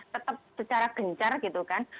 tetap secara gencar gitu kan